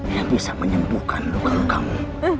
yang bisa menyembuhkan luka lukamu